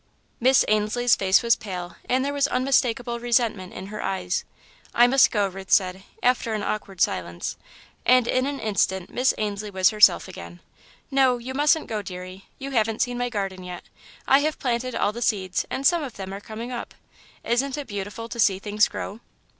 Miss Ainslie's face was pale, and there was unmistakable resentment in her eyes. "I must go," Ruth said, after an awkward silence, and in an instant Miss Ainslie was herself again. "No you mustn't go, deary. You haven't seen my garden yet. I have planted all the seeds and some of them are coming up. Isn't it beautiful to see things grow?"